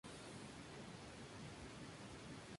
La ciudad capital del distrito es la localidad de Las Palmas.